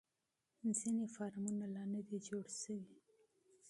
ځینې فارمونه لا نه دي جوړ شوي.